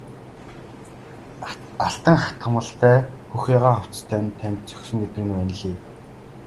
Алтан хатгамалтай хөх ягаан хувцас тань танд зохисон гэдэг нь ванлий!